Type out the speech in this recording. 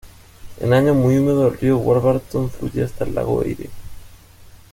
En años muy húmedos, el río Warburton fluye hasta el lago Eyre.